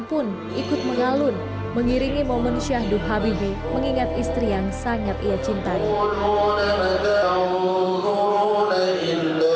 pun ikut mengalun mengiringi momen syahdun habibie mengingat istri yang sangat ia cintai